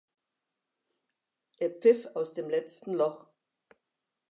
Er pfiff aus dem letzten Loch.